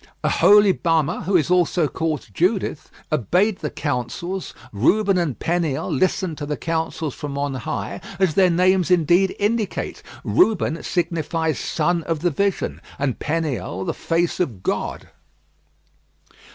Aholibamah, who is also called Judith, obeyed the Councils, Reuben and Peniel listened to the counsels from on high, as their names indeed indicate. Reuben signifies son of the vision; and Peniel, "the face of God."